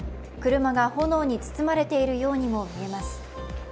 車が炎に包まれているようにも見えます。